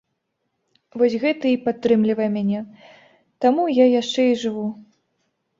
Вось гэта і падтрымлівае мяне, таму я яшчэ і жыву.